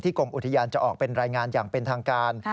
กรมอุทยานจะออกเป็นรายงานอย่างเป็นทางการ